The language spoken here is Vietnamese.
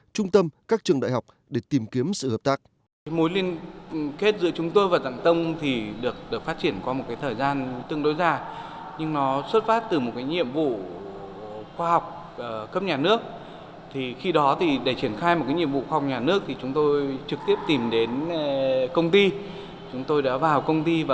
trung tâm các trường đại học để tìm kiếm sự hợp tác